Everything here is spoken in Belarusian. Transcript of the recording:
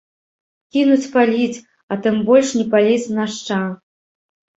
Кінуць паліць, а тым больш не паліць нашча.